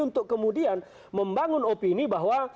untuk kemudian membangun opini bahwa